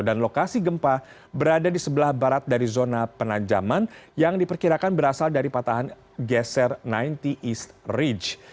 dan lokasi gempa berada di sebelah barat dari zona penanjaman yang diperkirakan berasal dari patahan geser sembilan puluh east ridge